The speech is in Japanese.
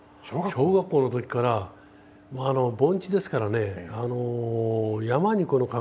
小学校の時からまああの盆地ですからね